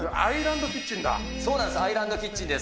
だから、アイランドキッチンだ。